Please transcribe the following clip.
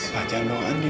pak jangan bawa andi